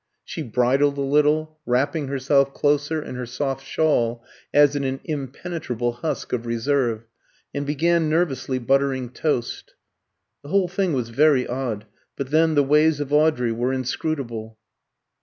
She bridled a little, wrapping herself closer in her soft shawl as in an impenetrable husk of reserve, and began nervously buttering toast. The whole thing was very odd; but then the ways of Audrey were inscrutable.